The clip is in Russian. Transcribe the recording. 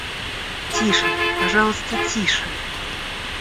— Тише, пожалуйста, тише!